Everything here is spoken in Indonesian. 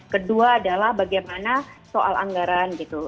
kedua adalah bagaimana soal anggaran gitu